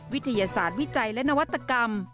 วิทยาศาสตร์วิจัยและนวัตกรรม